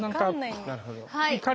はい！